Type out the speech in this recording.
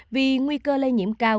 vì nguy cơ lây nhiễm cao